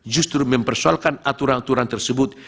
justru mempersoalkan aturan aturan tersebut